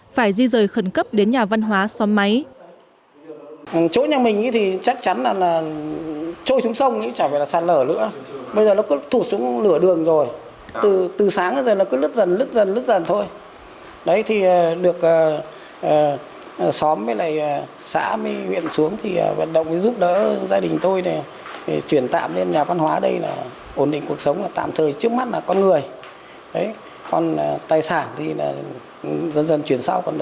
phải di rời khẩn cấp đến nhà văn hóa xóm máy